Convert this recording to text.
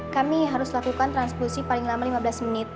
kami harus lakukan transfusi paling lama lima belas menit